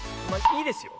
いいですよ。